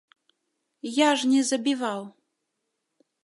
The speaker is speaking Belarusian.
Я ж не забіваў.